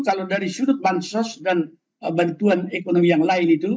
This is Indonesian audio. kalau dari sudut bansos dan bantuan ekonomi yang lain itu